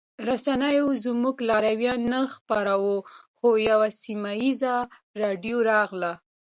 رسنیو زموږ لاریون نه خپراوه خو یوه سیمه ییزه راډیو راغله